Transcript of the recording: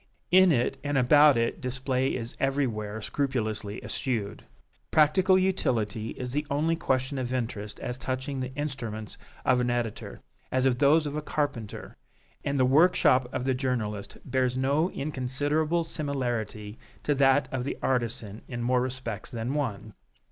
In it and about it display is everywhere scrupulously eschewed. Practical utility is the only question of interest as touching the instruments of an editor, as of those of a carpenter; and the workshop of the journalist bears no inconsiderable similarity to that of the artisan in more respects than one.